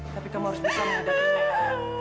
tapi kamu harus bisa menghadapi mereka